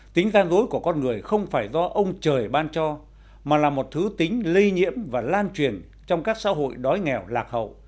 tính gian dối của con người không phải do ông trời ban cho mà là một thứ tính lây nhiễm và lan truyền trong các xã hội đói nghèo lạc hậu